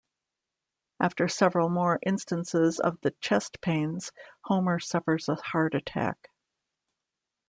After several more instances of the chest pains, Homer suffers a heart attack.